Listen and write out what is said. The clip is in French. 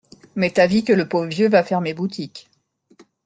M'est avis que le pauvre vieux va fermer boutique.